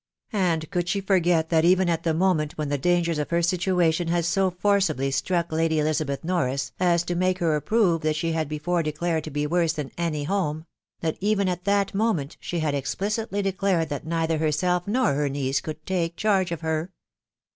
And could she forget that even at the moment when die dangers of her situation had so forcibly struck Lady Elisabeth Norris, as to make her approve what she had before declared to be worse than any home, — that even at that moment she had explicitly declared that neither herself nor her niece tonld take charge of her